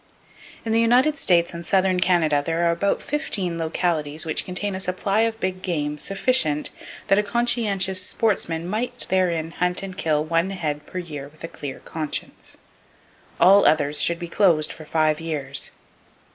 In the United States and southern Canada there are about fifteen localities which contain a supply of big game sufficient that a conscientious sportsman might therein hunt and kill one head per year with a clear conscience. All others should be closed for five years!